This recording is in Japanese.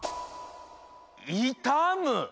「いたむ」？